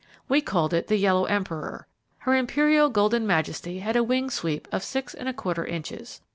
We called it the Yellow Emperor. Her Imperial Golden Majesty had a wing sweep of six and a quarter inches.